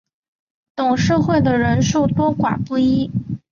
董事会的人数多寡不一。